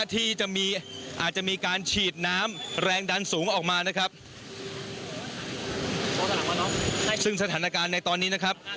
ที่จะมีอาจจะมีการฉีดน้ำแรงดันสูงออกมานะครับซึ่งสถานการณ์ในตอนนี้นะครับ